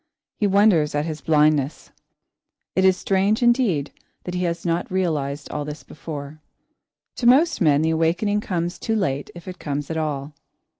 He wonders at his blindness. It is strange, indeed, that he has not realised all this before. [Sidenote: The Awakening] To most men the awakening comes too late if it comes at all.